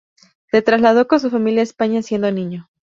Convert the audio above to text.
Se trasladó con su familia a España siendo niño.